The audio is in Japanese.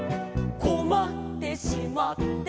「こまってしまって」